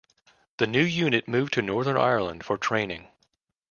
The new unit moved to Northern Ireland for training.